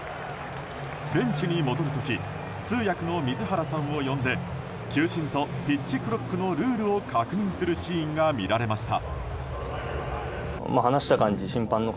ベンチに戻る時通訳の水原さんを呼んで球審とピッチクロックのルールを確認するシーンが見られました。